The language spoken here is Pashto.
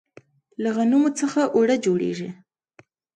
له غنمو څخه اوړه جوړیږي.